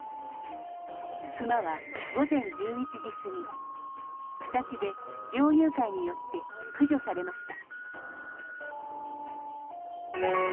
クマは午前１１時過ぎ草地で猟友会によって駆除されました。